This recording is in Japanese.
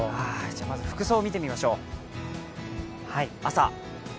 まず服装見てみましょう。